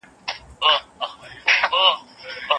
شتمن سړی به په لږو قناعت کوي.